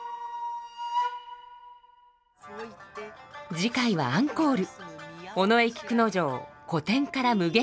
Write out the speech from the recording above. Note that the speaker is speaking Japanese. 次回はアンコール。